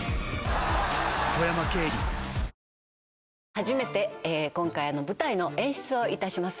初めて今回舞台の演出をいたします。